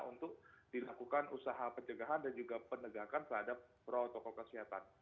untuk dilakukan usaha pencegahan dan juga penegakan terhadap protokol kesehatan